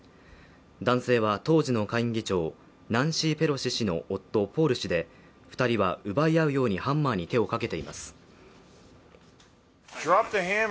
男性は当時のペロシ下院議長、ナンシー・ペロシ氏の夫、ポール氏で、２人は奪い合うようにハンマーに手をかけています。